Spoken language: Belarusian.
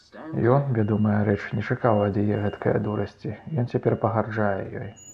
Ён, вядомая рэч, не чакаў ад яе гэткае дурасці, ён цяпер пагарджае ёй.